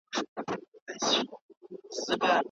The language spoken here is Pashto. تاسو د خپلو کالیو په پاک ساتلو بوخت یاست.